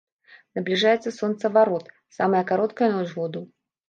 Набліжаецца сонцаварот, самая кароткая ноч году.